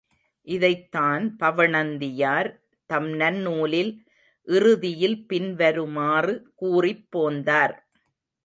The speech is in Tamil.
இதைத்தான் பவணந்தியார் தம் நன்னூலின் இறுதியில் பின்வருமாறு கூறிப்போந்தார்.